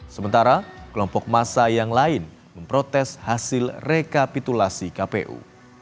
sementara kelompok massa yang lain memprotes hasil rekapitulasi kpu